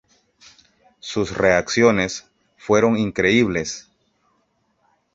Sus reacciones fueron increíbles.